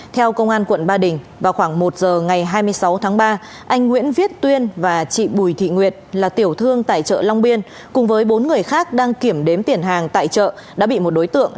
theo công an quận ba đình vào khoảng một giờ ngày hai mươi sáu tháng ba anh nguyễn viết tuyên và chị bùi thị nguyệt là tiểu thương tại chợ long biên cùng với bốn người khác đang kiểm đếm tiền hàng tại chợ đã bị một đối tượng